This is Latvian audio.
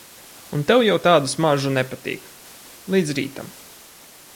Un tev jau tāda smarža nepatīk. Līdz rītam...